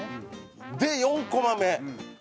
で４コマ目。